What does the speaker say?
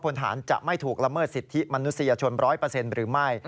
พลฐานจะไม่ถูกละเมิดสิทธิมนุษยชน๑๐๐หรือไม่